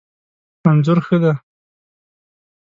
انځور ښه دی